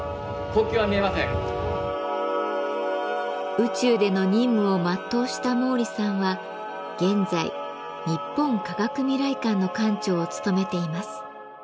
宇宙での任務を全うした毛利さんは現在日本科学未来館の館長を務めています。